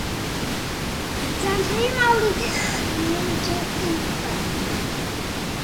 دەستم خستە سەر دەمانچەکەم، گوتم ڕایگرە! ڕاوەستا